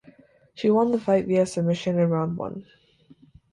She won the fight via submission in round one.